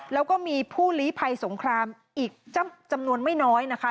แล้วก็มีผู้ลีภัยสงครามอีกจำนวนไม่น้อยนะคะ